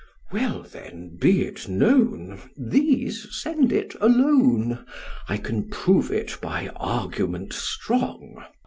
SOCR. Well then, be it known, these send it alone: I can prove it by argument strong.